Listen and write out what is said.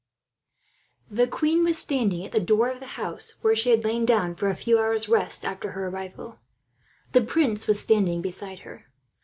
The queen was standing at the door of the house where she had lain down for a few hours' rest, after her arrival. The prince was standing beside her.